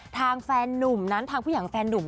ทางแฟนนุ่มนั้นทางผู้ใหญ่ของแฟนหนุ่ม